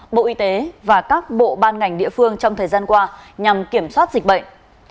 bộ y tế và các bộ ban ngành địa phương trong thời gian qua nhằm kiểm soát dịch bệnh